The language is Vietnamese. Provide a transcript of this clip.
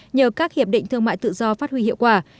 nhờ các hiệp định thương mại tự do phát huy hiệu quả